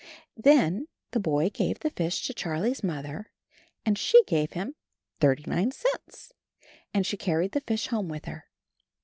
Then the boy gave the fish to Charlie's mother and she gave him thirty nine cents. And she carried the fish home with her.